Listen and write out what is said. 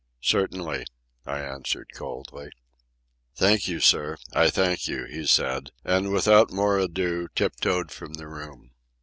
"Certainly," I answered coldly. "Thank you, sir—I thank you," he said, and, without more ado, tiptoed from the room.